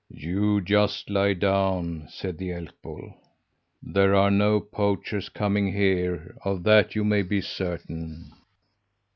"'You just lie down!' said the elk bull. 'There are no poachers coming here; of that you may be certain.'